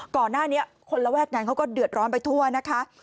ก่อนหน้านี้คนระแวกนั้นเขาก็เดือดร้อนไปทั่วนะคะ